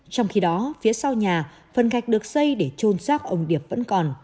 trong khi đó phía sau nhà phần gạch được xây để trôn xác ông điệp vẫn còn